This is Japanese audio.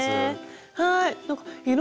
はい。